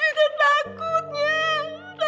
bibik teh takutnya